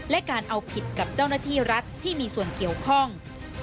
และการเอาผิดกับเจ้าหน้าที่รัฐที่มีส่วนเกี่ยวข้อง